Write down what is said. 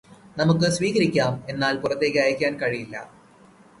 നമുക്ക് സ്വീകരിക്കാം എന്നാല് പുറത്തേക്ക് അയക്കാൻ കഴിയില്ല